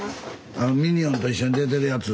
ミニオンと一緒に出てるやつ。